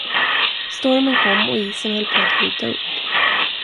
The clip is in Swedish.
Stormen kom och isen höll på att bryta upp.